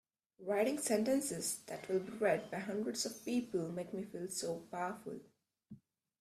Writing sentences that will be read by hundreds of people makes me feel so powerful!